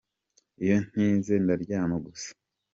Iyo ntize ndaryama gusa.